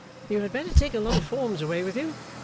You had better take a lot of forms away with you.